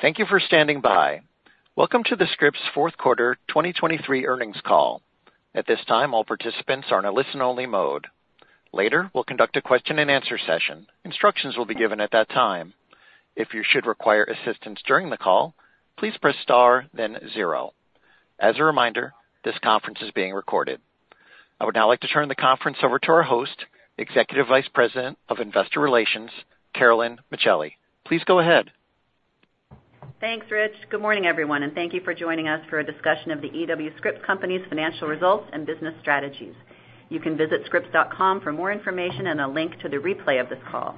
Thank you for standing by. Welcome to the Scripps fourth quarter 2023 earnings call. At this time, all participants are in a listen-only mode. Later, we'll conduct a question-and-answer session. Instructions will be given at that time. If you should require assistance during the call, please press star, then zero. As a reminder, this conference is being recorded. I would now like to turn the conference over to our host, Executive Vice President of Investor Relations, Carolyn Micheli. Please go ahead. Thanks, Rich. Good morning, everyone, and thank you for joining us for a discussion of The E.W. Scripps Company's financial results and business strategies. You can visit scripps.com for more information and a link to the replay of this call.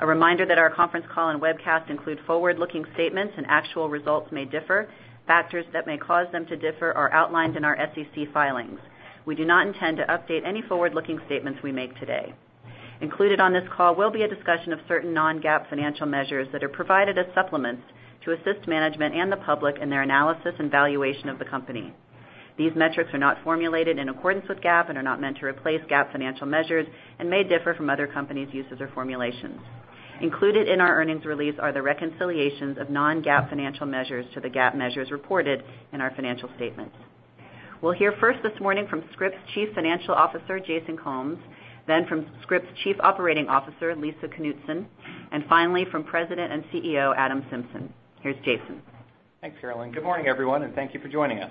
A reminder that our conference call and webcast include forward-looking statements and actual results may differ. Factors that may cause them to differ are outlined in our SEC filings. We do not intend to update any forward-looking statements we make today. Included on this call will be a discussion of certain non-GAAP financial measures that are provided as supplements to assist management and the public in their analysis and valuation of the company. These metrics are not formulated in accordance with GAAP and are not meant to replace GAAP financial measures and may differ from other companies' uses or formulations. Included in our earnings release are the reconciliations of non-GAAP financial measures to the GAAP measures reported in our financial statements. We'll hear first this morning from Scripps Chief Financial Officer, Jason Combs, then from Scripps Chief Operating Officer, Lisa Knutson, and finally from President and CEO, Adam Symson. Here's Jason. Thanks, Carolyn. Good morning, everyone, and thank you for joining us.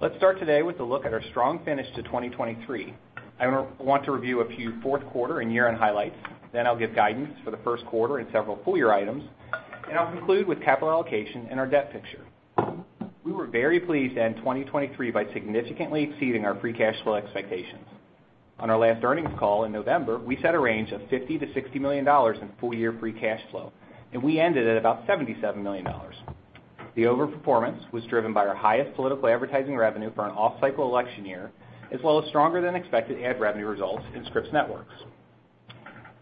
Let's start today with a look at our strong finish to 2023. I want to review a few fourth quarter and year-end highlights. Then I'll give guidance for the first quarter and several full-year items. I'll conclude with capital allocation and our debt picture. We were very pleased to end 2023 by significantly exceeding our free cash flow expectations. On our last earnings call in November, we set a range of $50 million-$60 million in full-year free cash flow, and we ended at about $77 million. The overperformance was driven by our highest political advertising revenue for an off-cycle election year, as well as stronger-than-expected ad revenue results in Scripps Networks.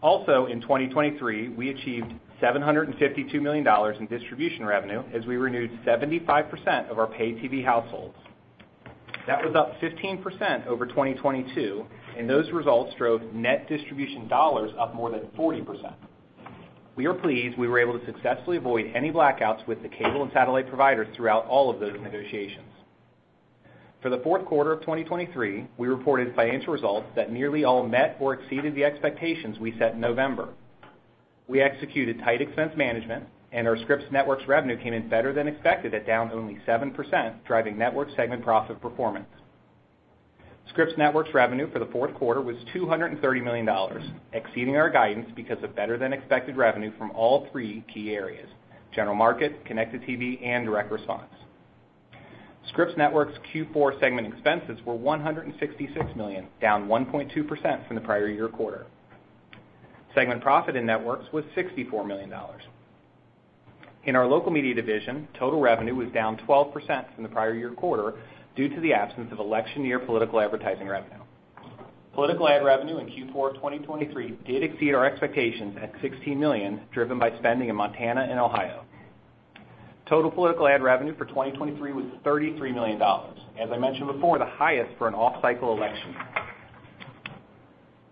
Also, in 2023, we achieved $752 million in distribution revenue as we renewed 75% of our pay TV households. That was up 15% over 2022, and those results drove net distribution dollars up more than 40%. We are pleased we were able to successfully avoid any blackouts with the cable and satellite providers throughout all of those negotiations. For the fourth quarter of 2023, we reported financial results that nearly all met or exceeded the expectations we set in November. We executed tight expense management, and our Scripps Networks revenue came in better-than-expected at down only 7%, driving network segment profit performance. Scripps Networks revenue for the fourth quarter was $230 million, exceeding our guidance because of better-than-expected revenue from all three key areas: general market, connected TV, and direct response. Scripps Networks' Q4 segment expenses were $166 million, down 1.2% from the prior year quarter. Segment profit in networks was $64 million. In our local media division, total revenue was down 12% from the prior year quarter due to the absence of election-year political advertising revenue. Political ad revenue in Q4 of 2023 did exceed our expectations at $16 million, driven by spending in Montana and Ohio. Total political ad revenue for 2023 was $33 million, as I mentioned before, the highest for an off-cycle election year.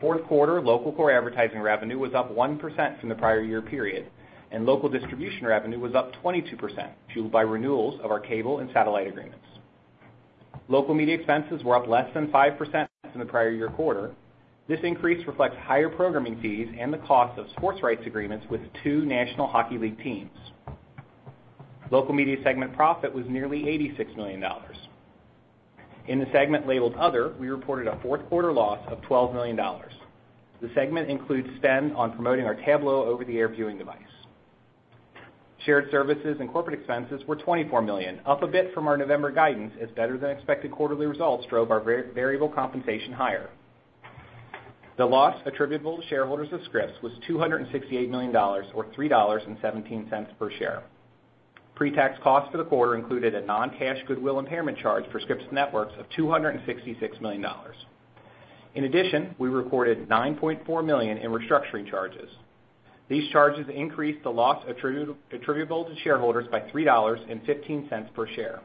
Fourth quarter local core advertising revenue was up 1% from the prior year period, and local distribution revenue was up 22%, fueled by renewals of our cable and satellite agreements. Local media expenses were up less than 5% from the prior year quarter. This increase reflects higher programming fees and the cost of sports rights agreements with two National Hockey League teams. Local media segment profit was nearly $86 million. In the segment labeled "Other," we reported a fourth quarter loss of $12 million. The segment includes spend on promoting our Tablo over-the-air viewing device. Shared services and corporate expenses were $24 million, up a bit from our November guidance as better-than-expected quarterly results drove our variable compensation higher. The loss attributable to shareholders of Scripps was $268 million, or $3.17 per share. Pre-tax costs for the quarter included a non-cash goodwill impairment charge for Scripps Networks of $266 million. In addition, we recorded $9.4 million in restructuring charges. These charges increased the loss attributable to shareholders by $3.15 per share.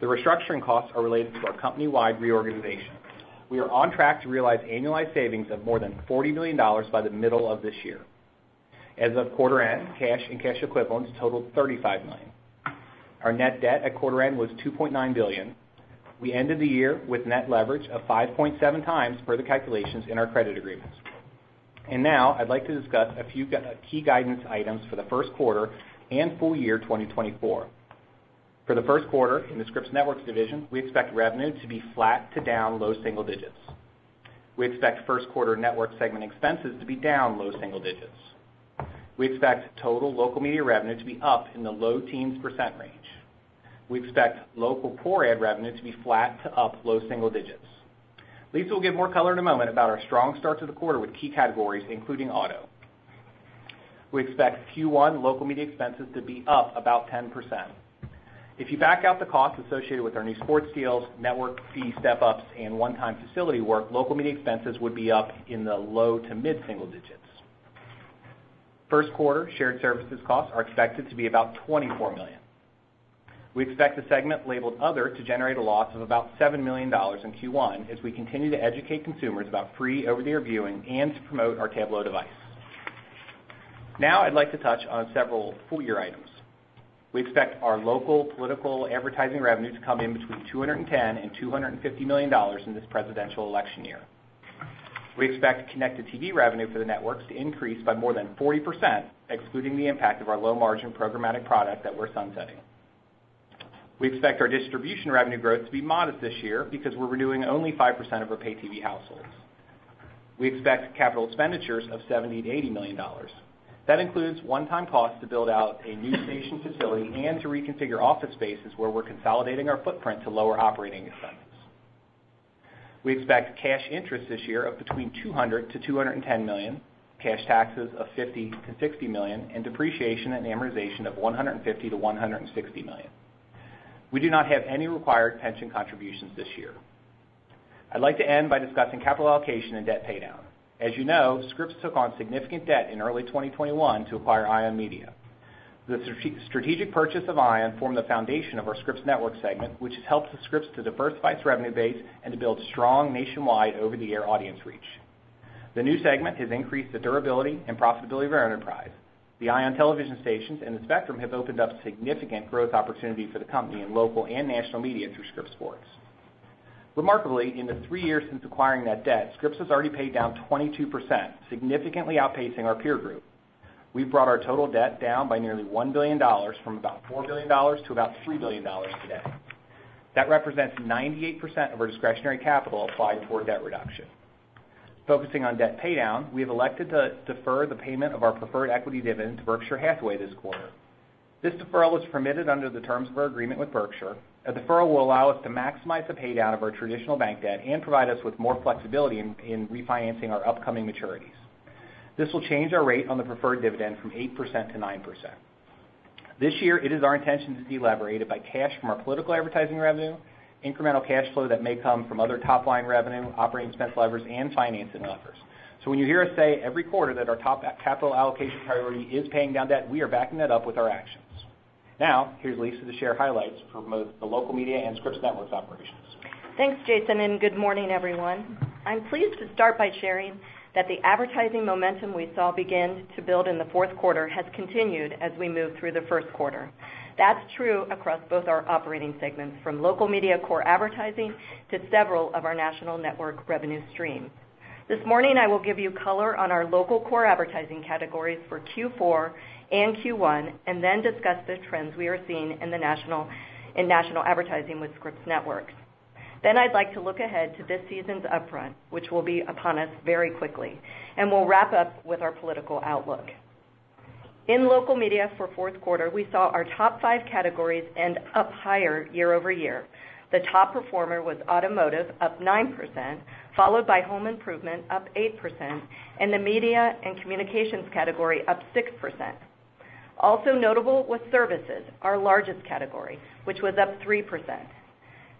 The restructuring costs are related to our company-wide reorganization. We are on track to realize annualized savings of more than $40 million by the middle of this year. As of quarter-end, cash and cash equivalents totaled $35 million. Our net debt at quarter-end was $2.9 billion. We ended the year with net leverage of 5.7 times per the calculations in our credit agreements. Now I'd like to discuss a few key guidance items for the first quarter and full year 2024. For the first quarter in the Scripps Networks division, we expect revenue to be flat to down low single digits. We expect first quarter network segment expenses to be down low single digits. We expect total local media revenue to be up in the low teens % range. We expect local core ad revenue to be flat to up low single digits. Lisa will give more color in a moment about our strong start to the quarter with key categories, including auto. We expect Q1 local media expenses to be up about 10%. If you back out the costs associated with our new sports deals, network fee step-ups, and one-time facility work, local media expenses would be up in the low to mid single digits. First quarter shared services costs are expected to be about $24 million. We expect the segment labeled "Other" to generate a loss of about $7 million in Q1 as we continue to educate consumers about free over-the-air viewing and to promote our Tablo device. Now I'd like to touch on several full-year items. We expect our local political advertising revenue to come in between $210-$250 million in this presidential election year. We expect connected TV revenue for the networks to increase by more than 40%, excluding the impact of our low-margin programmatic product that we're sunsetting. We expect our distribution revenue growth to be modest this year because we're renewing only 5% of our pay TV households. We expect capital expenditures of $70-$80 million. That includes one-time costs to build out a new station facility and to reconfigure office spaces where we're consolidating our footprint to lower operating expenses. We expect cash interest this year of between $200-$210 million, cash taxes of $50-$60 million, and depreciation and amortization of $150-$160 million. We do not have any required pension contributions this year. I'd like to end by discussing capital allocation and debt paydown. As you know, Scripps took on significant debt in early 2021 to acquire ION Media. The strategic purchase of ION formed the foundation of our Scripps Networks segment, which has helped the Scripps to diversify its revenue base and to build strong nationwide over-the-air audience reach. The new segment has increased the durability and profitability of our enterprise. The ION television stations and the spectrum have opened up significant growth opportunity for the company in local and national media through Scripps Sports. Remarkably, in the three years since acquiring that debt, Scripps has already paid down 22%, significantly outpacing our peer group. We've brought our total debt down by nearly $1 billion from about $4 billion to about $3 billion today. That represents 98% of our discretionary capital applied toward debt reduction. Focusing on debt paydown, we have elected to defer the payment of our preferred equity dividend to Berkshire Hathaway this quarter. This deferral is permitted under the terms of our agreement with Berkshire. A deferral will allow us to maximize the paydown of our traditional bank debt and provide us with more flexibility in refinancing our upcoming maturities. This will change our rate on the preferred dividend from 8% to 9%. This year, it is our intention to fund it with cash from our political advertising revenue, incremental cash flow that may come from other top-line revenue, operating expense levers, and financing levers. So when you hear us say every quarter that our capital allocation priority is paying down debt, we are backing that up with our actions. Now here's Lisa to share highlights for both the Local Media and Scripps Networks operations. Thanks, Jason, and good morning, everyone. I'm pleased to start by sharing that the advertising momentum we saw begin to build in the fourth quarter has continued as we move through the first quarter. That's true across both our operating segments, from local media core advertising to several of our national network revenue streams. This morning, I will give you color on our local core advertising categories for Q4 and Q1 and then discuss the trends we are seeing in national advertising with Scripps Networks. Then I'd like to look ahead to this season's Upfront, which will be upon us very quickly, and we'll wrap up with our political outlook. In local media for fourth quarter, we saw our top five categories end up higher year-over-year. The top performer was automotive, up 9%, followed by home improvement, up 8%, and the media and communications category up 6%. Also notable was services, our largest category, which was up 3%.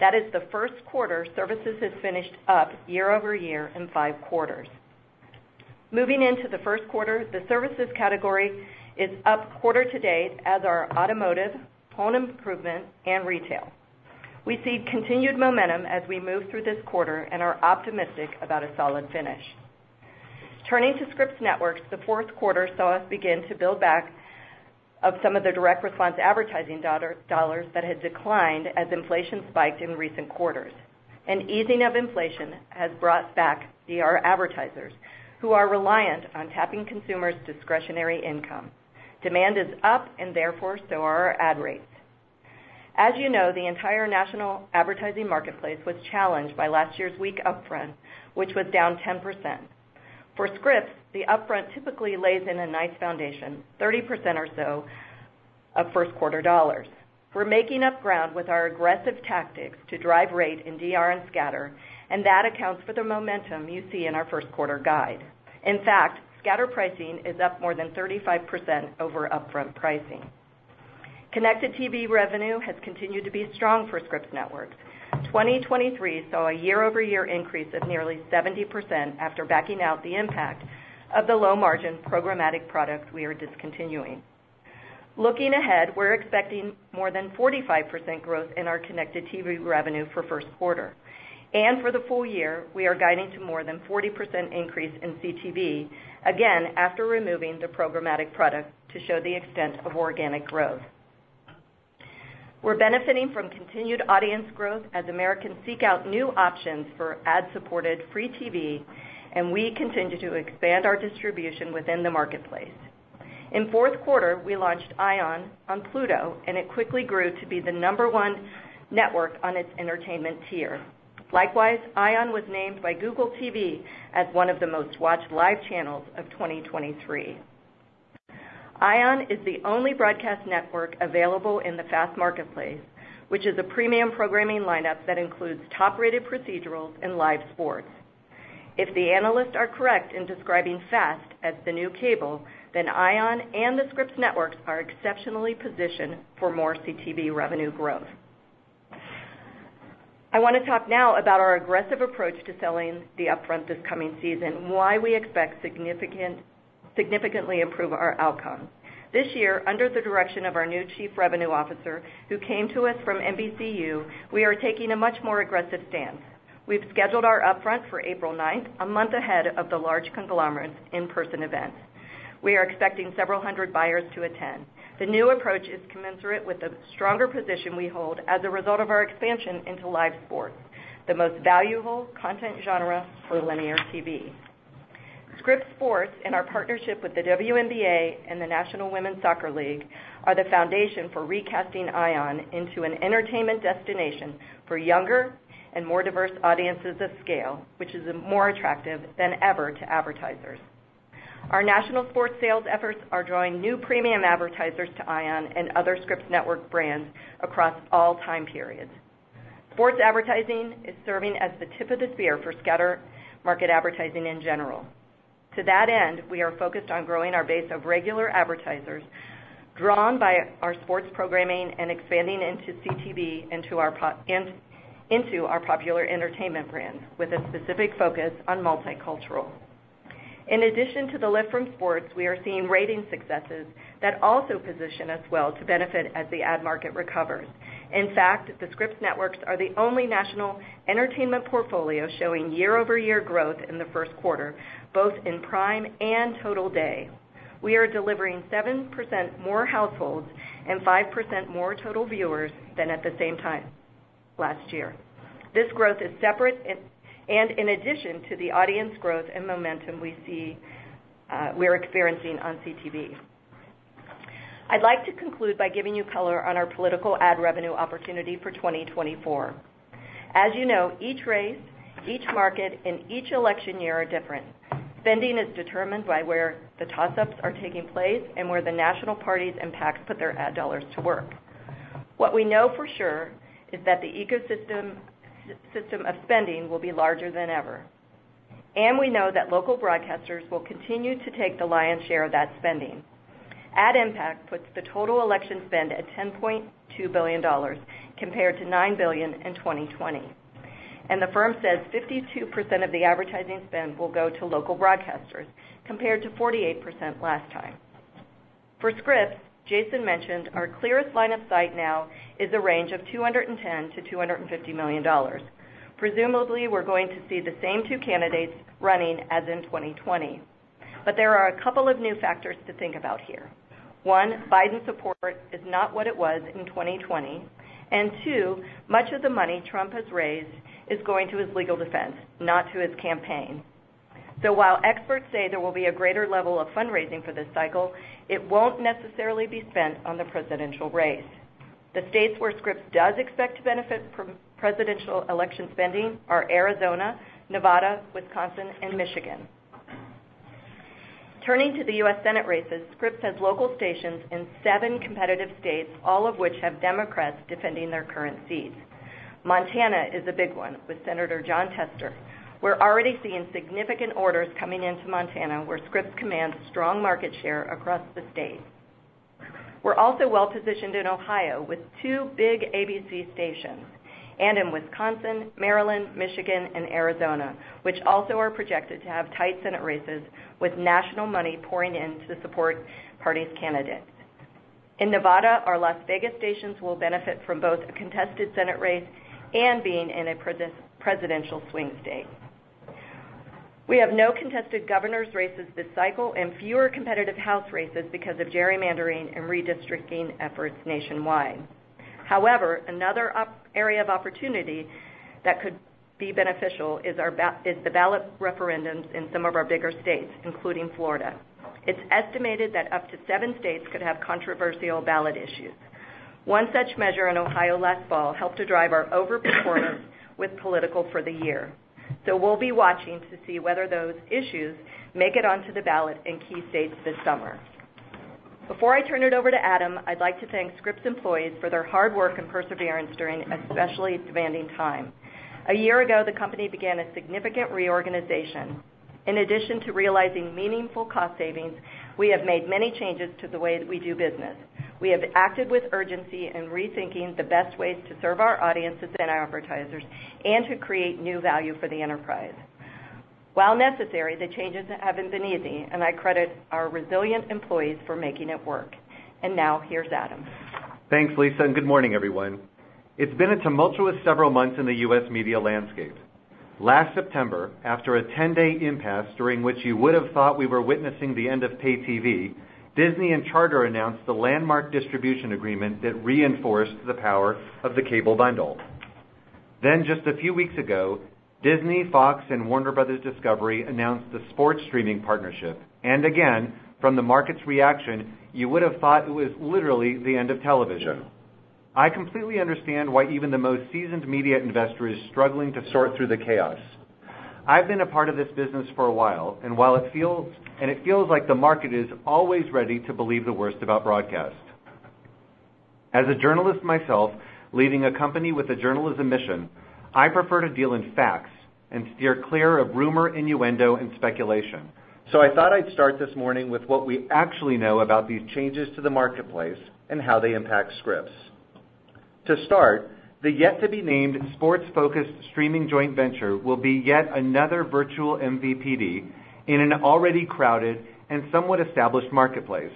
That is the first quarter services has finished up year-over-year in five quarters. Moving into the first quarter, the services category is up quarter to date as are automotive, home improvement, and retail. We see continued momentum as we move through this quarter and are optimistic about a solid finish. Turning to Scripps Networks, the fourth quarter saw us begin to build back of some of the direct response advertising dollars that had declined as inflation spiked in recent quarters. An easing of inflation has brought back our advertisers, who are reliant on tapping consumers' discretionary income. Demand is up, and therefore so are our ad rates. As you know, the entire national advertising marketplace was challenged by last year's weak upfront, which was down 10%. For Scripps, the upfront typically lays in a nice foundation, 30% or so of first quarter dollars. We're making up ground with our aggressive tactics to drive rate in DR and scatter, and that accounts for the momentum you see in our first quarter guide. In fact, scatter pricing is up more than 35% over upfront pricing. Connected TV revenue has continued to be strong for Scripps Networks. 2023 saw a year-over-year increase of nearly 70% after backing out the impact of the low-margin programmatic product we are discontinuing. Looking ahead, we're expecting more than 45% growth in our connected TV revenue for first quarter. For the full year, we are guiding to more than 40% increase in CTV, again after removing the programmatic product to show the extent of organic growth. We're benefiting from continued audience growth as Americans seek out new options for ad-supported free TV, and we continue to expand our distribution within the marketplace. In fourth quarter, we launched ION on Pluto, and it quickly grew to be the number one network on its entertainment tier. Likewise, ION was named by Google TV as one of the most-watched live channels of 2023. ION is the only broadcast network available in the FAST marketplace, which is a premium programming lineup that includes top-rated procedurals and live sports. If the analysts are correct in describing FAST as the new cable, then ION and the Scripps Networks are exceptionally positioned for more CTV revenue growth. I want to talk now about our aggressive approach to selling the upfront this coming season, why we expect significantly improve our outcome. This year, under the direction of our new Chief Revenue Officer, who came to us from NBCU, we are taking a much more aggressive stance. We've scheduled our Upfront for April 9th, a month ahead of the large conglomerate's in-person event. We are expecting several hundred buyers to attend. The new approach is commensurate with the stronger position we hold as a result of our expansion into live sports, the most valuable content genre for linear TV. Scripps Sports, in our partnership with the WNBA and the National Women's Soccer League, are the foundation for recasting ION into an entertainment destination for younger and more diverse audiences of scale, which is more attractive than ever to advertisers. Our national sports sales efforts are drawing new premium advertisers to ION and other Scripps Network brands across all time periods. Sports advertising is serving as the tip of the spear for scatter market advertising in general. To that end, we are focused on growing our base of regular advertisers drawn by our sports programming and expanding into CTV and into our popular entertainment brands with a specific focus on multicultural. In addition to the lift from sports, we are seeing rating successes that also position us well to benefit as the ad market recovers. In fact, the Scripps Networks are the only national entertainment portfolio showing year-over-year growth in the first quarter, both in prime and total day. We are delivering 7% more households and 5% more total viewers than at the same time last year. This growth is separate and in addition to the audience growth and momentum we are experiencing on CTV. I'd like to conclude by giving you color on our political ad revenue opportunity for 2024. As you know, each race, each market, and each election year are different. Spending is determined by where the toss-ups are taking place and where the national parties and PACs put their ad dollars to work. What we know for sure is that the ecosystem of spending will be larger than ever. And we know that local broadcasters will continue to take the lion's share of that spending. AdImpact puts the total election spend at $10.2 billion compared to $9 billion in 2020. And the firm says 52% of the advertising spend will go to local broadcasters compared to 48% last time. For Scripps - Jason mentioned - our clearest line of sight now is a range of $210-$250 million. Presumably, we're going to see the same two candidates running as in 2020. But there are a couple of new factors to think about here. One, Biden's support is not what it was in 2020. And two, much of the money Trump has raised is going to his legal defense, not to his campaign. So while experts say there will be a greater level of fundraising for this cycle, it won't necessarily be spent on the presidential race. The states where Scripps does expect to benefit from presidential election spending are Arizona, Nevada, Wisconsin, and Michigan. Turning to the U.S. Senate races, Scripps has local stations in seven competitive states, all of which have Democrats defending their current seats. Montana is a big one with Senator Jon Tester. We're already seeing significant orders coming into Montana, where Scripps commands strong market share across the state. We're also well-positioned in Ohio with two big ABC stations and in Wisconsin, Maryland, Michigan, and Arizona, which also are projected to have tight Senate races with national money pouring in to support party's candidates. In Nevada, our Las Vegas stations will benefit from both a contested Senate race and being in a presidential swing state. We have no contested governor's races this cycle and fewer competitive House races because of gerrymandering and redistricting efforts nationwide. However, another area of opportunity that could be beneficial is the ballot referendums in some of our bigger states, including Florida. It's estimated that up to seven states could have controversial ballot issues. One such measure in Ohio last fall helped to drive our overperformance with political for the year. So we'll be watching to see whether those issues make it onto the ballot in key states this summer. Before I turn it over to Adam, I'd like to thank Scripps employees for their hard work and perseverance during especially demanding time. A year ago, the company began a significant reorganization. In addition to realizing meaningful cost savings, we have made many changes to the way we do business. We have acted with urgency in rethinking the best ways to serve our audiences and our advertisers and to create new value for the enterprise. While necessary, the changes haven't been easy, and I credit our resilient employees for making it work. Now here's Adam. Thanks, Lisa, and good morning, everyone. It's been a tumultuous several months in the U.S. media landscape. Last September, after a 10-day impasse during which you would have thought we were witnessing the end of pay TV, Disney and Charter announced the landmark distribution agreement that reinforced the power of the cable bundle. Then just a few weeks ago, Disney, Fox, and Warner Bros. Discovery announced the sports streaming partnership. And again, from the market's reaction, you would have thought it was literally the end of television. I completely understand why even the most seasoned media investor is struggling to sort through the chaos. I've been a part of this business for a while, and it feels like the market is always ready to believe the worst about broadcast. As a journalist myself, leading a company with a journalism mission, I prefer to deal in facts and steer clear of rumor, innuendo, and speculation. So I thought I'd start this morning with what we actually know about these changes to the marketplace and how they impact Scripps. To start, the yet-to-be-named sports-focused streaming joint venture will be yet another virtual MVPD in an already crowded and somewhat established marketplace.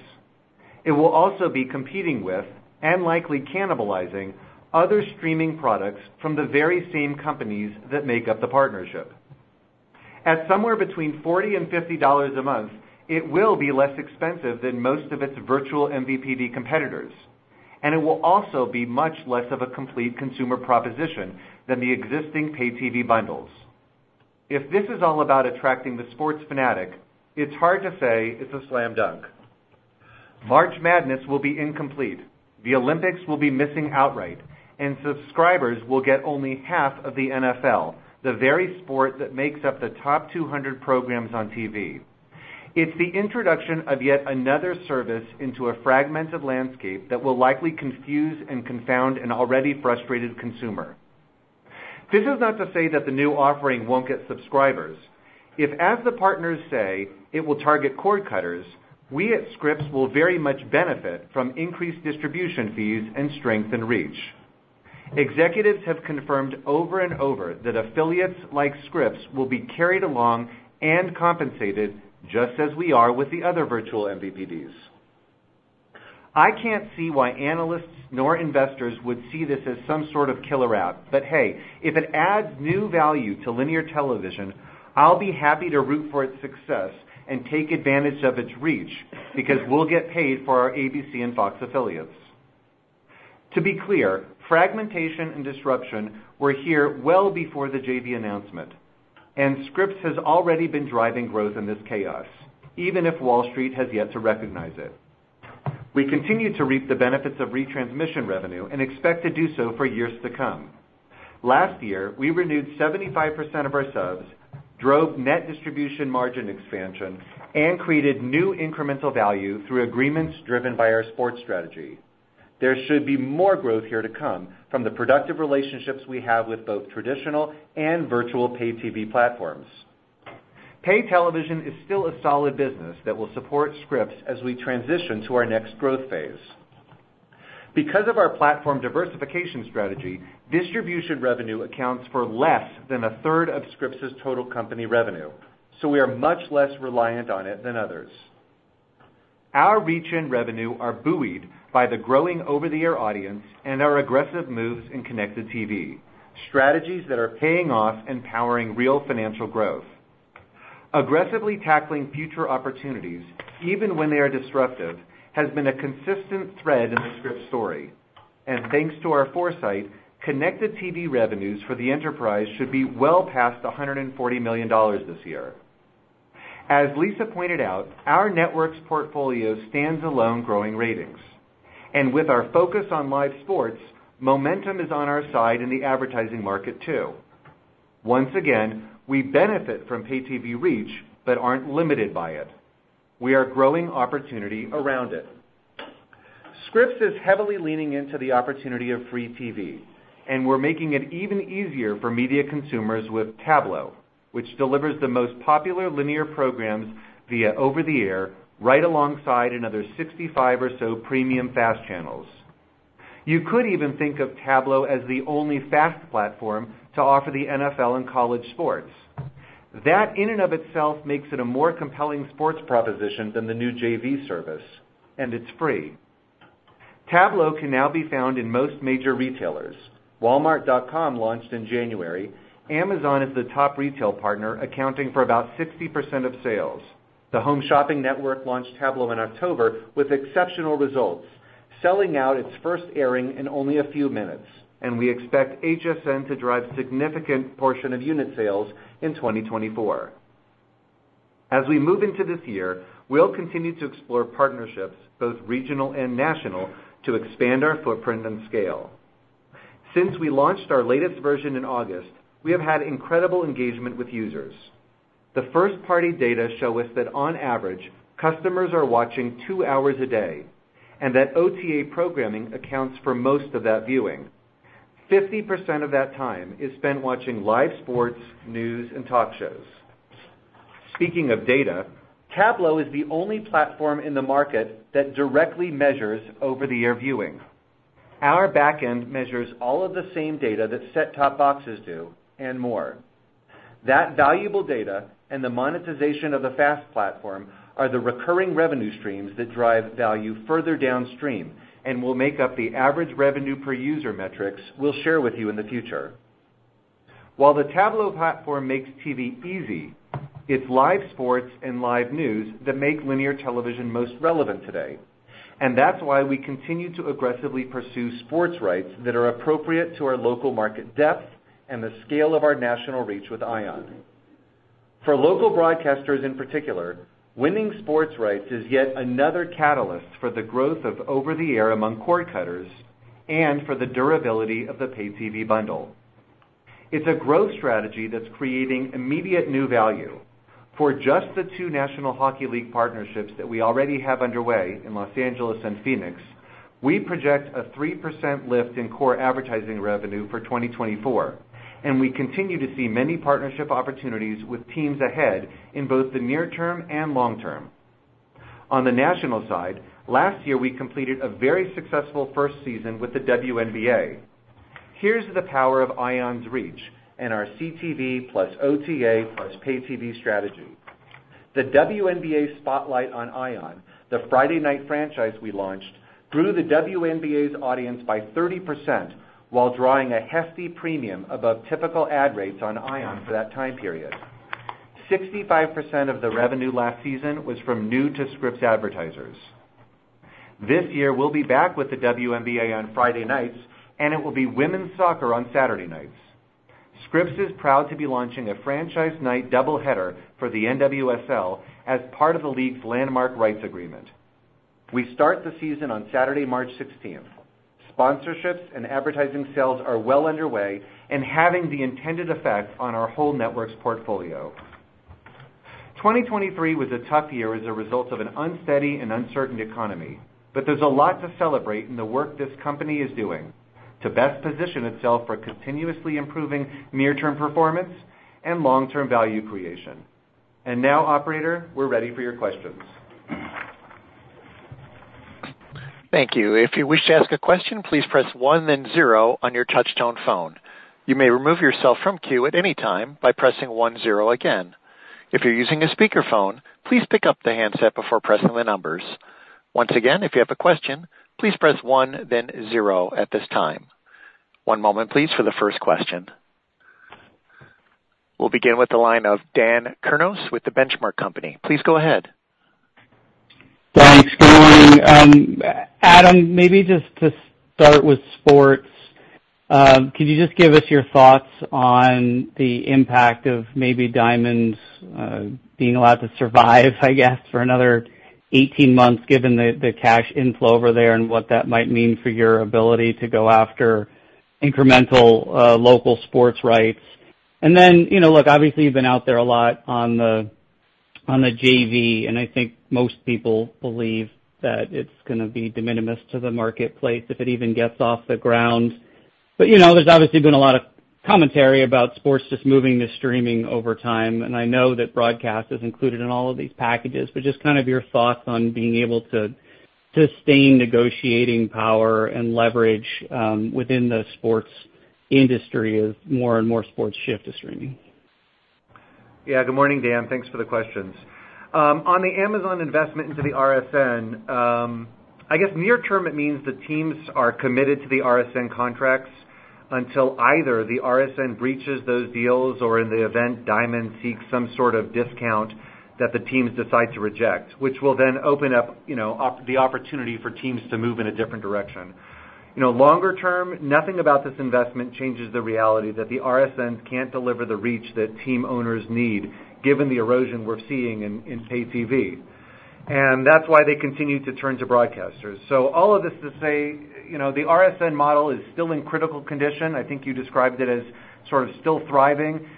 It will also be competing with and likely cannibalizing other streaming products from the very same companies that make up the partnership. At somewhere between $40-$50 a month, it will be less expensive than most of its virtual MVPD competitors, and it will also be much less of a complete consumer proposition than the existing pay TV bundles. If this is all about attracting the sports fanatic, it's hard to say it's a slam dunk. March Madness will be incomplete. The Olympics will be missing outright, and subscribers will get only half of the NFL, the very sport that makes up the top 200 programs on TV. It's the introduction of yet another service into a fragmented landscape that will likely confuse and confound an already frustrated consumer. This is not to say that the new offering won't get subscribers. If, as the partners say, it will target cord cutters, we at Scripps will very much benefit from increased distribution fees and strengthened reach. Executives have confirmed over and over that affiliates like Scripps will be carried along and compensated just as we are with the other virtual MVPDs. I can't see why analysts nor investors would see this as some sort of killer app. But hey, if it adds new value to linear television, I'll be happy to root for its success and take advantage of its reach because we'll get paid for our ABC and Fox affiliates. To be clear, fragmentation and disruption were here well before the JV announcement, and Scripps has already been driving growth in this chaos, even if Wall Street has yet to recognize it. We continue to reap the benefits of retransmission revenue and expect to do so for years to come. Last year, we renewed 75% of our subs, drove net distribution margin expansion, and created new incremental value through agreements driven by our sports strategy. There should be more growth here to come from the productive relationships we have with both traditional and virtual pay TV platforms. Pay television is still a solid business that will support Scripps as we transition to our next growth phase. Because of our platform diversification strategy, distribution revenue accounts for less than a third of Scripps's total company revenue, so we are much less reliant on it than others. Our reach and revenue are buoyed by the growing over-the-air audience and our aggressive moves in connected TV, strategies that are paying off and powering real financial growth. Aggressively tackling future opportunities, even when they are disruptive, has been a consistent thread in the Scripps story. Thanks to our foresight, connected TV revenues for the enterprise should be well past $140 million this year. As Lisa pointed out, our network's portfolio stands alone growing ratings. With our focus on live sports, momentum is on our side in the advertising market too. Once again, we benefit from pay TV reach but aren't limited by it. We are growing opportunity around it. Scripps is heavily leaning into the opportunity of free TV, and we're making it even easier for media consumers with Tablo, which delivers the most popular linear programs via over-the-air right alongside another 65 or so premium FAST channels. You could even think of Tablo as the only FAST platform to offer the NFL and college sports. That in and of itself makes it a more compelling sports proposition than the new JV service, and it's free. Tablo can now be found in most major retailers. Walmart.com launched in January. Amazon is the top retail partner, accounting for about 60% of sales. The Home Shopping Network launched Tablo in October with exceptional results, selling out its first airing in only a few minutes. We expect HSN to drive a significant portion of unit sales in 2024. As we move into this year, we'll continue to explore partnerships, both regional and national, to expand our footprint and scale. Since we launched our latest version in August, we have had incredible engagement with users. The first-party data show us that, on average, customers are watching two hours a day and that OTA programming accounts for most of that viewing. 50% of that time is spent watching live sports, news, and talk shows. Speaking of data, Tablo is the only platform in the market that directly measures over-the-air viewing. Our backend measures all of the same data that set-top boxes do and more. That valuable data and the monetization of the FAST platform are the recurring revenue streams that drive value further downstream and will make up the average revenue per user metrics we'll share with you in the future. While the Tablo platform makes TV easy, it's live sports and live news that make linear television most relevant today. And that's why we continue to aggressively pursue sports rights that are appropriate to our local market depth and the scale of our national reach with ION. For local broadcasters in particular, winning sports rights is yet another catalyst for the growth of over-the-air among cord cutters and for the durability of the pay TV bundle. It's a growth strategy that's creating immediate new value. For just the two National Hockey League partnerships that we already have underway in Los Angeles and Phoenix, we project a 3% lift in core advertising revenue for 2024. And we continue to see many partnership opportunities with teams ahead in both the near-term and long-term. On the national side, last year, we completed a very successful first season with the WNBA. Here's the power of ION's reach and our CTV plus OTA plus pay TV strategy. The WNBA Spotlight on ION, the Friday night franchise we launched, grew the WNBA's audience by 30% while drawing a hefty premium above typical ad rates on ION for that time period. 65% of the revenue last season was from new-to-Scripps advertisers. This year, we'll be back with the WNBA on Friday nights, and it will be women's soccer on Saturday nights. Scripps is proud to be launching a franchise night double header for the NWSL as part of the league's landmark rights agreement. We start the season on Saturday, March 16th. Sponsorships and advertising sales are well underway and having the intended effect on our whole network's portfolio. 2023 was a tough year as a result of an unsteady and uncertain economy, but there's a lot to celebrate in the work this company is doing to best position itself for continuously improving near-term performance and long-term value creation. Now, operator, we're ready for your questions. Thank you. If you wish to ask a question, please press one, then zero on your touch-tone phone. You may remove yourself from the queue at any time by pressing one, zero again. If you're using a speakerphone, please pick up the handset before pressing the numbers. Once again, if you have a question, please press one, then zero at this time. One moment, please, for the first question. We'll begin with the line of Dan Kurnos with The Benchmark Company. Please go ahead. Thanks. Good morning. Adam, maybe just to start with sports, could you just give us your thoughts on the impact of maybe Diamonds being allowed to survive, I guess, for another 18 months given the cash inflow over there and what that might mean for your ability to go after incremental local sports rights? And then, look, obviously, you've been out there a lot on the JV, and I think most people believe that it's going to be de minimis to the marketplace if it even gets off the ground. But there's obviously been a lot of commentary about sports just moving to streaming over time. And I know that broadcast is included in all of these packages. But just kind of your thoughts on being able to sustain negotiating power and leverage within the sports industry as more and more sports shift to streaming? Yeah. Good morning, Dan. Thanks for the questions. On the Amazon investment into the RSN, I guess near-term, it means the teams are committed to the RSN contracts until either the RSN breaches those deals or, in the event, Diamond seeks some sort of discount that the teams decide to reject, which will then open up the opportunity for teams to move in a different direction. Longer term, nothing about this investment changes the reality that the RSNs can't deliver the reach that team owners need given the erosion we're seeing in pay TV. And that's why they continue to turn to broadcasters. So all of this to say, the RSN model is still in critical condition. I think you described it as sort of still thriving.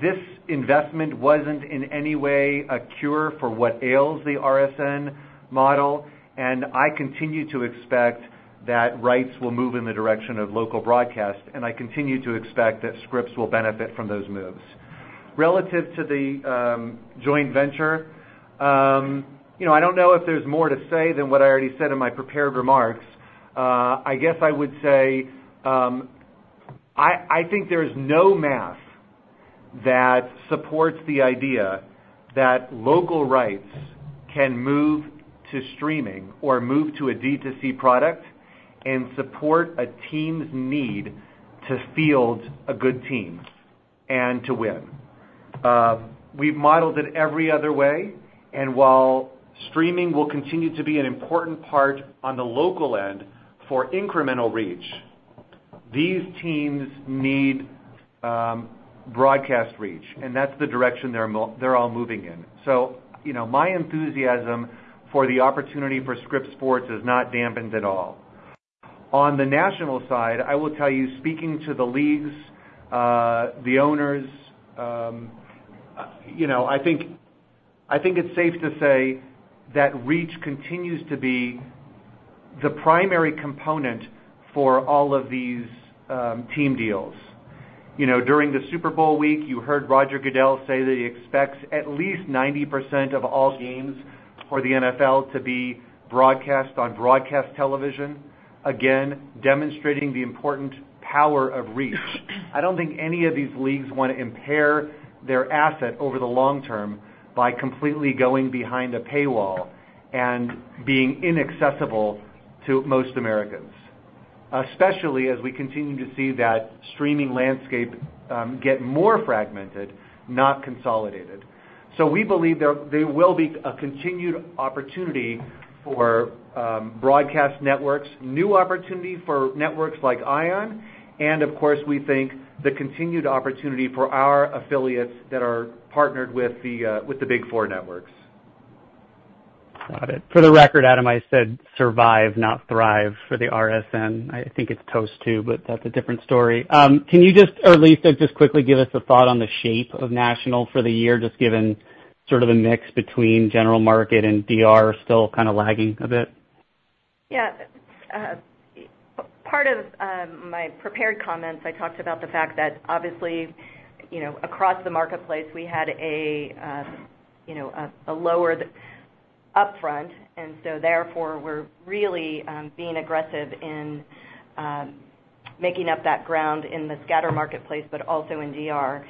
This investment wasn't, in any way, a cure for what ails the RSN model. I continue to expect that rights will move in the direction of local broadcast. And I continue to expect that Scripps will benefit from those moves. Relative to the joint venture, I don't know if there's more to say than what I already said in my prepared remarks. I guess I would say I think there is no math that supports the idea that local rights can move to streaming or move to a D2C product and support a team's need to field a good team and to win. We've modeled it every other way. And while streaming will continue to be an important part on the local end for incremental reach, these teams need broadcast reach. And that's the direction they're all moving in. So my enthusiasm for the opportunity for Scripps Sports is not dampened at all. On the national side, I will tell you, speaking to the leagues, the owners, I think it's safe to say that reach continues to be the primary component for all of these team deals. During the Super Bowl week, you heard Roger Goodell say that he expects at least 90% of all games for the NFL to be broadcast on broadcast television, again, demonstrating the important power of reach. I don't think any of these leagues want to impair their asset over the long term by completely going behind a paywall and being inaccessible to most Americans, especially as we continue to see that streaming landscape get more fragmented, not consolidated. So we believe there will be a continued opportunity for broadcast networks, new opportunity for networks like ION, and, of course, we think the continued opportunity for our affiliates that are partnered with the Big Four networks. Got it. For the record, Adam, I said survive, not thrive for the RSN. I think it's toast too, but that's a different story. Can you just, or Lisa, just quickly give us a thought on the shape of national for the year, just given sort of a mix between general market and DR still kind of lagging a bit? Yeah. Part of my prepared comments, I talked about the fact that, obviously, across the marketplace, we had a lower upfront. And so, therefore, we're really being aggressive in making up that ground in the scatter marketplace but also in DR.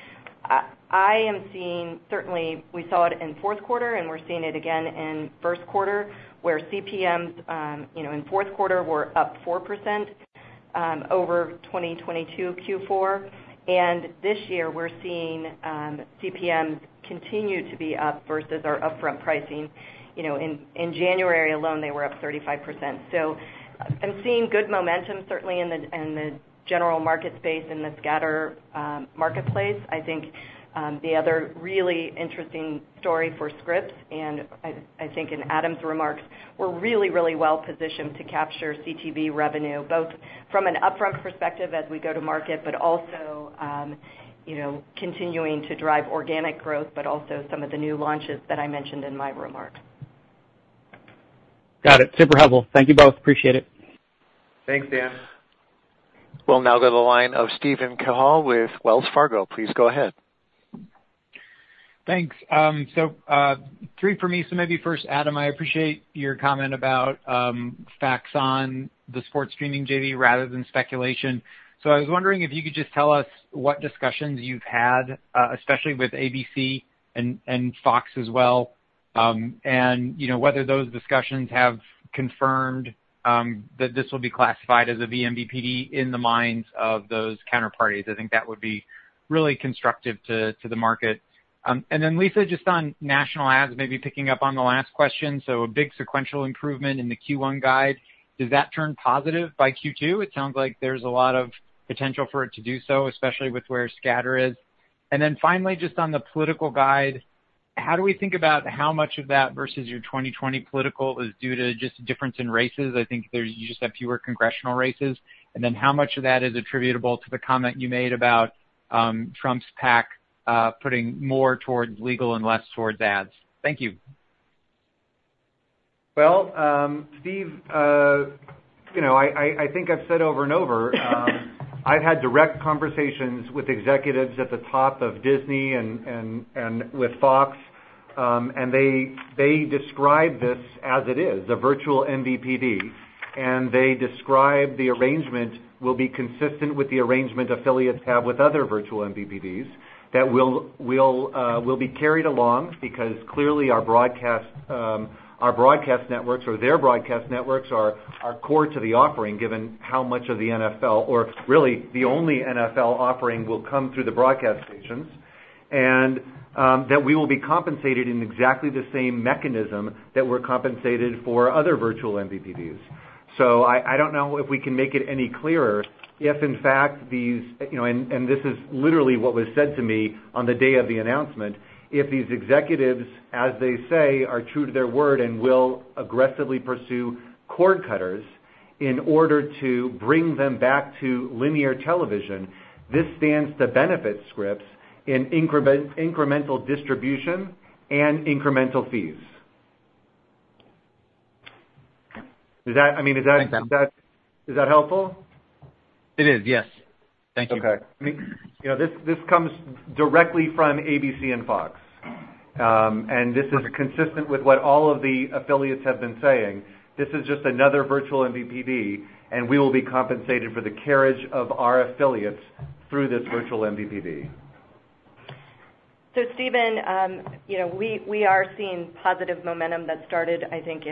I am seeing, certainly, we saw it in fourth quarter, and we're seeing it again in first quarter, where CPMs in fourth quarter were up 4% over 2022 Q4. And this year, we're seeing CPMs continue to be up versus our upfront pricing. In January alone, they were up 35%. So I'm seeing good momentum, certainly, in the general market space, in the scatter marketplace. I think the other really interesting story for Scripps and, I think, in Adam's remarks, we're really, really well positioned to capture CTV revenue both from an upfront perspective as we go to market but also continuing to drive organic growth but also some of the new launches that I mentioned in my remarks. Got it. Super helpful. Thank you both. Appreciate it. Thanks, Dan. We'll now go to the line of Steven Cahall with Wells Fargo. Please go ahead. Thanks. So three for me. So maybe first, Adam, I appreciate your comment about facts on the sports streaming JV rather than speculation. So I was wondering if you could just tell us what discussions you've had, especially with ABC and Fox as well, and whether those discussions have confirmed that this will be classified as a vMVPD in the minds of those counterparties. I think that would be really constructive to the market. And then, Lisa, just on national ads, maybe picking up on the last question. So a big sequential improvement in the Q1 guide. Does that turn positive by Q2? It sounds like there's a lot of potential for it to do so, especially with where scatter is. And then finally, just on the political guide, how do we think about how much of that versus your 2020 political is due to just a difference in races? I think you just have fewer congressional races. And then how much of that is attributable to the comment you made about Trump's PAC putting more towards legal and less towards ads? Thank you. Well, Steve, I think I've said over and over, I've had direct conversations with executives at the top of Disney and with Fox. They describe this as it is, a virtual MVPD. They describe the arrangement will be consistent with the arrangement affiliates have with other virtual MVPDs that will be carried along because, clearly, our broadcast networks or their broadcast networks are core to the offering given how much of the NFL or, really, the only NFL offering will come through the broadcast stations and that we will be compensated in exactly the same mechanism that we're compensated for other virtual MVPDs. So, I don't know if we can make it any clearer if, in fact, these and this is literally what was said to me on the day of the announcement, if these executives, as they say, are true to their word and will aggressively pursue cord cutters in order to bring them back to linear television; this stands to benefit Scripps in incremental distribution and incremental fees. I mean, is that helpful? It is. Yes. Thank you. Okay. This comes directly from ABC and Fox. This is consistent with what all of the affiliates have been saying. This is just another virtual MVPD. We will be compensated for the carriage of our affiliates through this virtual MVPD. So, Steven, we are seeing positive momentum that started, I think,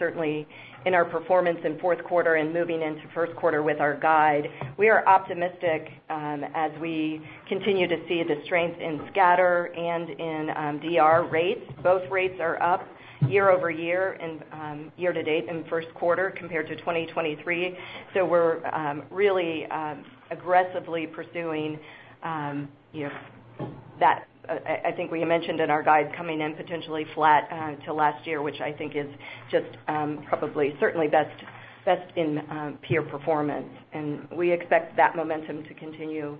certainly in our performance in fourth quarter and moving into first quarter with our guide. We are optimistic as we continue to see the strength in scatter and in DR rates. Both rates are up year-over-year and year to date in first quarter compared to 2023. So we're really aggressively pursuing that. I think we mentioned in our guide coming in potentially flat to last year, which I think is just probably certainly best in peer performance. And we expect that momentum to continue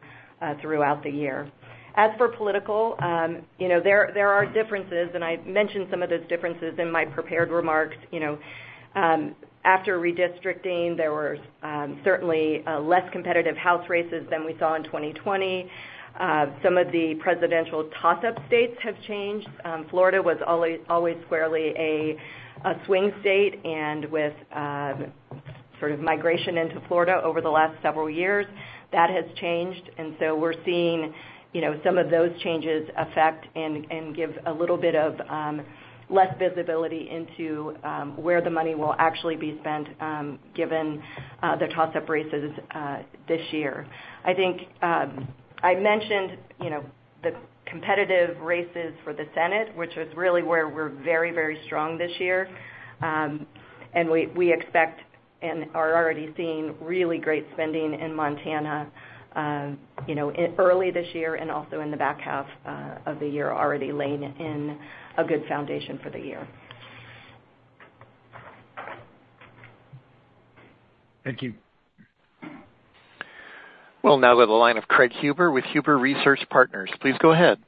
throughout the year. As for political, there are differences. And I mentioned some of those differences in my prepared remarks. After redistricting, there were certainly less competitive House races than we saw in 2020. Some of the presidential toss-up states have changed. Florida was always squarely a swing state. With sort of migration into Florida over the last several years, that has changed. So we're seeing some of those changes affect and give a little bit of less visibility into where the money will actually be spent given the toss-up races this year. I think I mentioned the competitive races for the Senate, which is really where we're very strong this year. We expect and are already seeing really great spending in Montana early this year and also in the back half of the year already laying in a good foundation for the year. Thank you. We'll now go to the line of Craig Huber with Huber Research Partners. Please go ahead.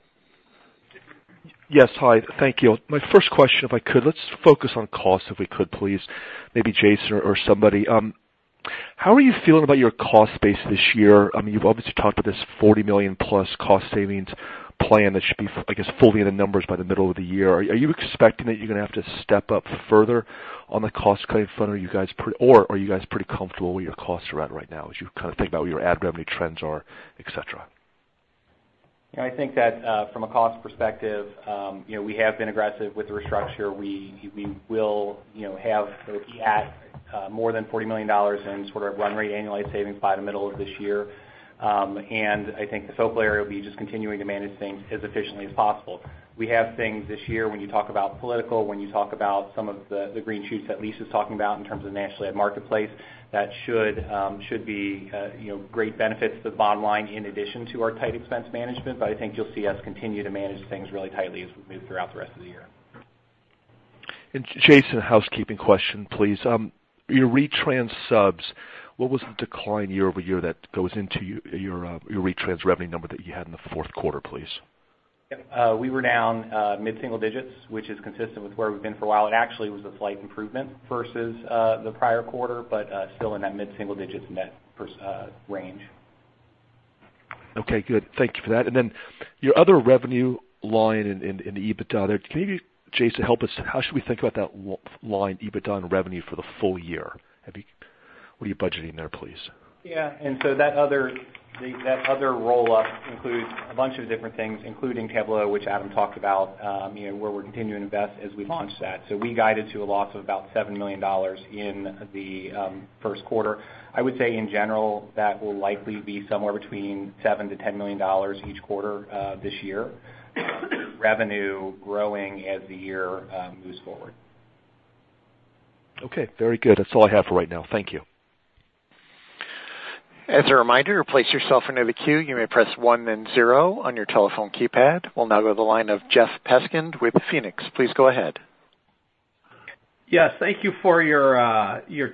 Yes, hi. Thank you. My first question, if I could, let's focus on costs, if we could, please. Maybe Jason or somebody. How are you feeling about your cost base this year? I mean, you've obviously talked about this $40 million-plus cost savings plan that should be, I guess, fully in the numbers by the middle of the year. Are you expecting that you're going to have to step up further on the cost cutting front, or are you guys pretty comfortable where your costs are at right now as you kind of think about where your ad revenue trends are, etc.? I think that, from a cost perspective, we have been aggressive with restructure. We will have or be at more than $40 million in sort of run rate annualized savings by the middle of this year. I think the focal area will be just continuing to manage things as efficiently as possible. We have things this year, when you talk about political, when you talk about some of the green shoots that Lisa's talking about in terms of the nationally-led marketplace, that should be great benefits to the bottom line in addition to our tight expense management. But I think you'll see us continue to manage things really tightly as we move throughout the rest of the year. Jason, housekeeping question, please. Your retrans subs, what was the decline year-over-year that goes into your retrans revenue number that you had in the fourth quarter, please? Yep. We were down mid-single digits, which is consistent with where we've been for a while. It actually was a slight improvement versus the prior quarter but still in that mid-single digits net range. Okay. Good. Thank you for that. And then your other revenue line in EBITDA there, can you, Jason, help us? How should we think about that line, EBITDA and revenue, for the full year? What are you budgeting there, please? Yeah. That other roll-up includes a bunch of different things, including Tablo, which Adam talked about, where we're continuing to invest as we launch that. We guided to a loss of about $7 million in the first quarter. I would say, in general, that will likely be somewhere between $7 million to $10 million each quarter this year, revenue growing as the year moves forward. Okay. Very good. That's all I have for right now. Thank you. As a reminder, place yourself in the queue. You may press 1 then 0 on your telephone keypad. We'll now go to the line of Jeff Peskind with Phoenix. Please go ahead. Yes. Thank you for your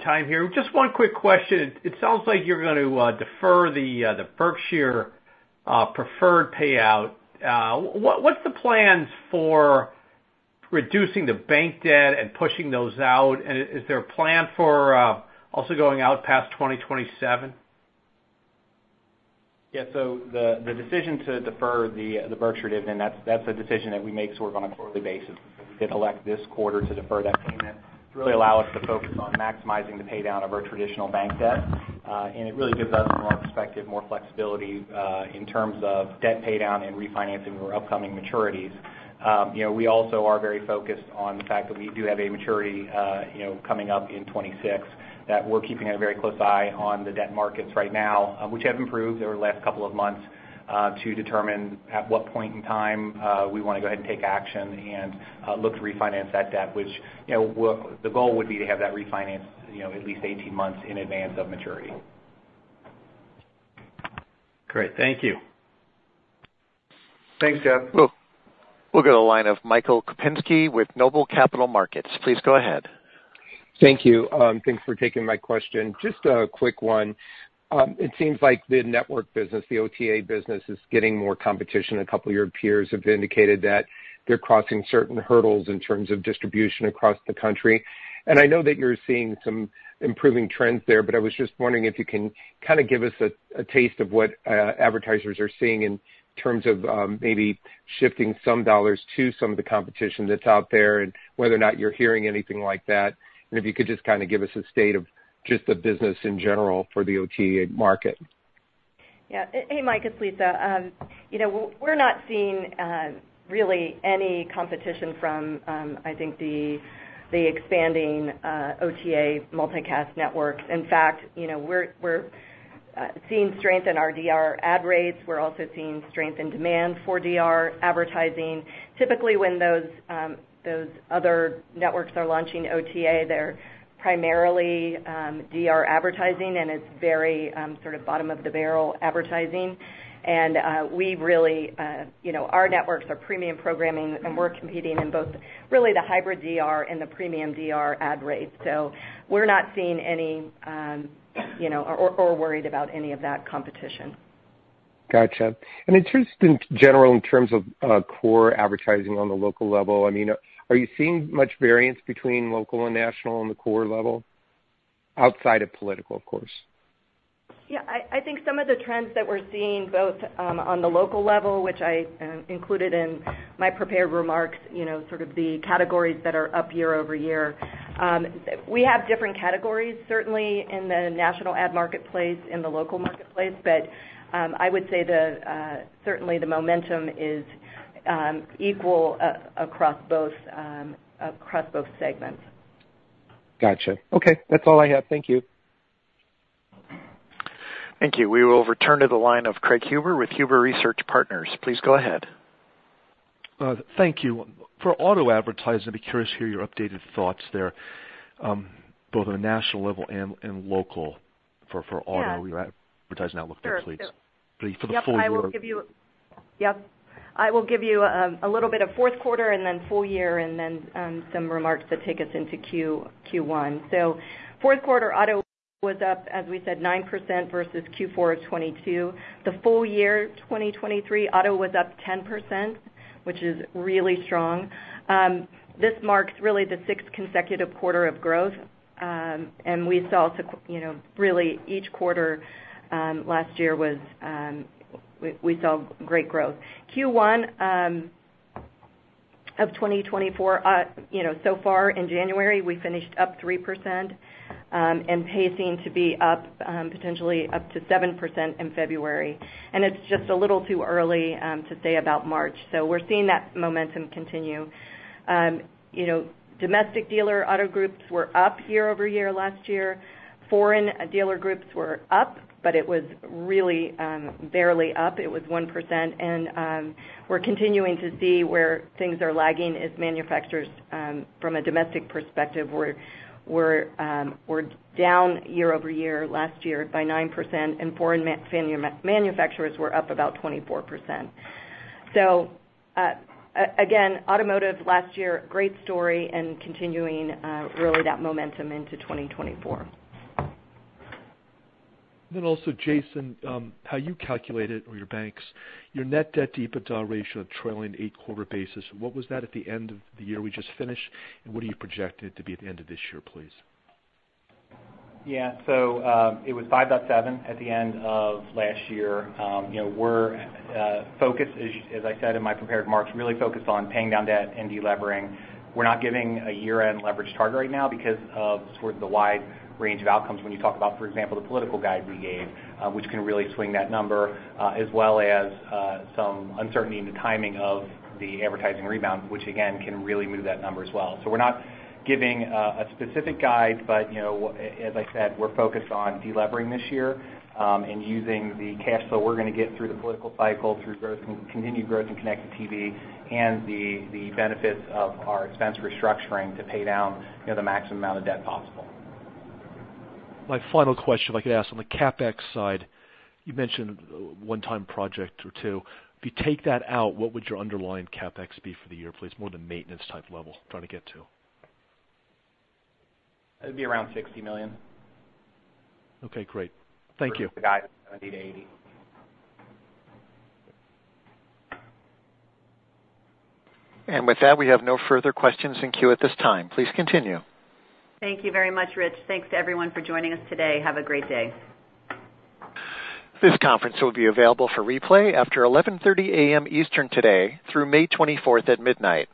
time here. Just one quick question. It sounds like you're going to defer the Berkshire preferred payout. What's the plans for reducing the bank debt and pushing those out? And is there a plan for also going out past 2027? Yeah. So the decision to defer the Berkshire dividend, that's a decision that we make sort of on a quarterly basis. We did elect this quarter to defer that payment to really allow us to focus on maximizing the paydown of our traditional bank debt. And it really gives us, from our perspective, more flexibility in terms of debt paydown and refinancing for upcoming maturities. We also are very focused on the fact that we do have a maturity coming up in 2026 that we're keeping a very close eye on the debt markets right now, which have improved over the last couple of months, to determine at what point in time we want to go ahead and take action and look to refinance that debt, which the goal would be to have that refinanced at least 18 months in advance of maturity. Great. Thank you. Thanks, Jeff. We'll go to the line of Michael Kupinski with Noble Capital Markets. Please go ahead. Thank you. Thanks for taking my question. Just a quick one. It seems like the network business, the OTA business, is getting more competition. A couple of your peers have indicated that they're crossing certain hurdles in terms of distribution across the country. I know that you're seeing some improving trends there. I was just wondering if you can kind of give us a taste of what advertisers are seeing in terms of maybe shifting some dollars to some of the competition that's out there and whether or not you're hearing anything like that. If you could just kind of give us a state of just the business in general for the OTA market. Yeah. Hey, Mike. It's Lisa. We're not seeing really any competition from, I think, the expanding OTA multicast networks. In fact, we're seeing strength in our DR ad rates. We're also seeing strength in demand for DR advertising. Typically, when those other networks are launching OTA, they're primarily DR advertising. And it's very sort of bottom-of-the-barrel advertising. And we really our networks are premium programming. And we're competing in both, really, the hybrid DR and the premium DR ad rates. So we're not seeing any or worried about any of that competition. Gotcha. It's interesting, generally, in terms of core advertising on the local level. I mean, are you seeing much variance between local and national on the core level outside of political, of course? Yeah. I think some of the trends that we're seeing both on the local level, which I included in my prepared remarks, sort of the categories that are up year-over-year, we have different categories, certainly, in the national ad marketplace, in the local marketplace. But I would say, certainly, the momentum is equal across both segments. Gotcha. Okay. That's all I have. Thank you. Thank you. We will return to the line of Craig Huber with Huber Research Partners. Please go ahead. Thank you. For auto advertising, I'd be curious to hear your updated thoughts there, both on a national level and local for auto. You advertise now. Look there, please. For the full year. Yep. I will give you a little bit of fourth quarter and then full year and then some remarks that take us into Q1. So fourth quarter, auto was up, as we said, 9% versus Q4 of 2022. The full year, 2023, auto was up 10%, which is really strong. This marks, really, the sixth consecutive quarter of growth. And we saw, really, each quarter last year we saw great growth. Q1 of 2024, so far in January, we finished up 3% and pacing to be potentially up to 7% in February. And it's just a little too early to say about March. So we're seeing that momentum continue. Domestic dealer auto groups were up year-over-year last year. Foreign dealer groups were up. But it was really barely up. It was 1%. We're continuing to see where things are lagging is manufacturers, from a domestic perspective, were down year-over-year last year by 9%. Foreign manufacturers were up about 24%. Again, automotive last year, great story and continuing, really, that momentum into 2024. Then also, Jason, how you calculate it or your banks, your net debt to EBITDA ratio trailing eight-quarter basis, what was that at the end of the year we just finished? And what do you project it to be at the end of this year, please? Yeah. So it was 5.7 at the end of last year. We're focused, as I said in my prepared remarks, really focused on paying down debt and delevering. We're not giving a year-end leverage target right now because of sort of the wide range of outcomes when you talk about, for example, the political guide we gave, which can really swing that number, as well as some uncertainty in the timing of the advertising rebound, which, again, can really move that number as well. So we're not giving a specific guide. But as I said, we're focused on delevering this year and using the cash flow we're going to get through the political cycle, through continued growth in connected TV, and the benefits of our expense restructuring to pay down the maximum amount of debt possible. My final question, if I could ask, on the CapEx side, you mentioned one-time project or two. If you take that out, what would your underlying CapEx be for the year, please, more of the maintenance-type level I'm trying to get to? It would be around $60 million. Okay. Great. Thank you. The guide is 70 to 80. With that, we have no further questions in queue at this time. Please continue. Thank you very much, Rich. Thanks to everyone for joining us today. Have a great day. This conference will be available for replay after 11:30 A.M. Eastern today through May 24th at midnight.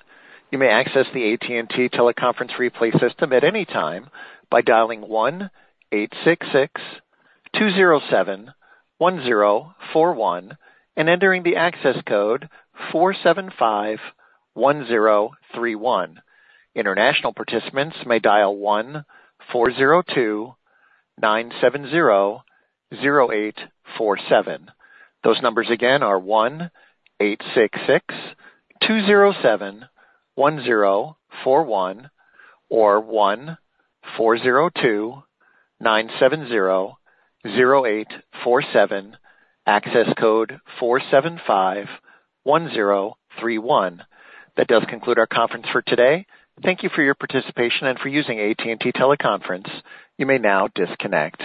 You may access the AT&T teleconference replay system at any time by dialing 1-866-207-1041 and entering the access code 4751031. International participants may dial 1-402-970-0847. Those numbers, again, are 1-866-207-1041 or 1-402-970-0847, access code 4751031. That does conclude our conference for today. Thank you for your participation and for using AT&T Teleconference. You may now disconnect.